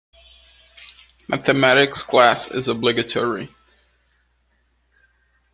Mathematics class is obligatory.